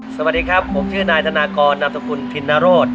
สวัสดีครับผมชื่อนายธนากรนามสกุลพินนโรธ